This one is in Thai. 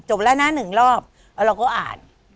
จบแล้วนะ๑รอบแล้วเราก็อ่าน